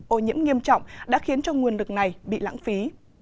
ô nhiễm nghiêm trọng đã khiến cho nguồn lực này bị lãng phí